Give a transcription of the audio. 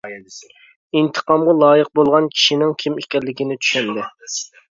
ئىنتىقامغا لايىق بولغان كىشىنىڭ كىم ئىكەنلىكىنى چۈشەندى.